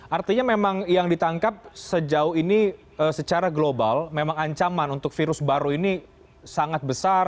artinya memang yang ditangkap sejauh ini secara global memang ancaman untuk virus baru ini sangat besar